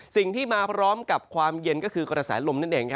สิ่งที่มาพร้อมกับความเย็นก็คือกระแสลมนั่นเอง